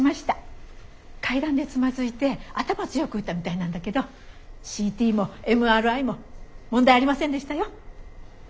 階段でつまずいて頭を強く打ったみたいなんだけどＣＴもＭＲＩも問題ありませんでしたよ。